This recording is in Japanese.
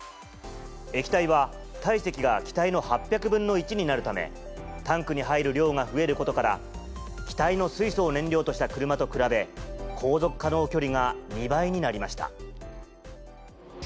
液体は堆積が気体の８００分の１になるため、タンクに入る量が増えることから、気体の水素を燃料とした車と比べ、航続可能距離が２倍になりました。